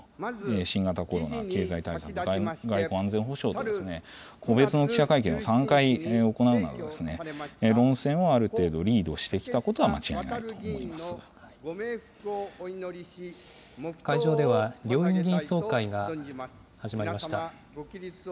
新型コロナ、経済対策、外交・安全保障と、個別の記者会見を３回行うなど、論戦をある程度、リードしてきたことは間違いないと思会場では、両院議員総会が始まりました。